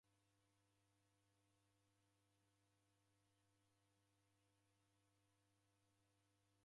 Pwanya ivu imbiri kusekorie modo.